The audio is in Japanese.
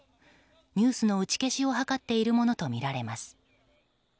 ニュースの打ち消しを図っているものとみられます。